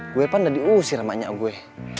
gue pandai diusir banyak gue